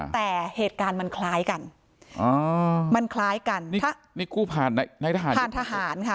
แต่เหตุการณ์มันคล้ายกันอ๋อมันคล้ายกันนี่กู้ผ่านในทหารผ่านทหารค่ะ